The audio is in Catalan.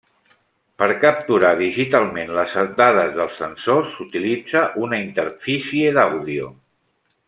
Per capturar digitalment les dades dels sensors, s’utilitza una interfície d’àudio.